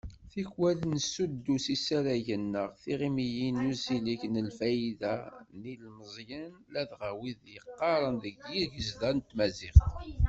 Tikwal nessuddus isaragen neɣ tiɣimiyin n usileɣ i lfayda n yilemẓiyen, ladɣa wid yeqqaren deg yigezda n tmaziɣt.